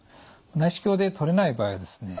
内視鏡で取れない場合はですね